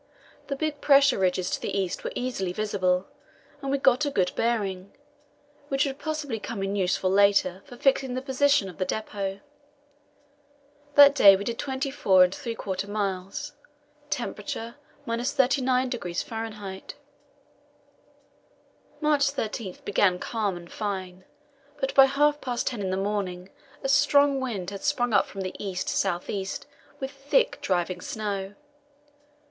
The big pressure ridges to the east were easily visible, and we got a good bearing, which would possibly come in useful later for fixing the position of the depot. That day we did twenty four and three quarter miles; temperature, 39° F. March 13 began calm and fine, but by half past ten in the morning a strong wind had sprung up from the east south east with thick driving snow.